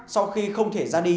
sau khi không thể ra đi